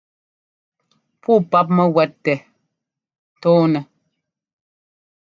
Puu páp mɛ́gúɛ́t tɛ́ tɔɔnɛ́.